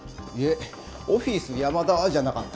オフィス山田じゃなかったかな？